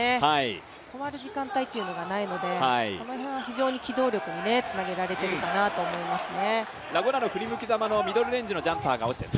止まる時間帯がないので、この辺は非常に機動力につなげられているかなと思いますね。